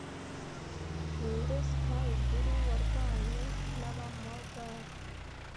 Ninde Sikh Guru warwanye n'Abamogali